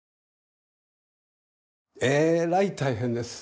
えらい大変です。